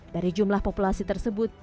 dari jumlah populasi tersebut